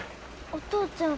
お父ちゃん